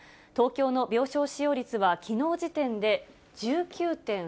東京の病床使用率はきのう時点で１９．３％。